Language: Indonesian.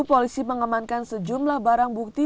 polisi mengamankan sejumlah barang bukti